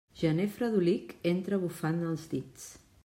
Gener fredolic entra bufant els dits.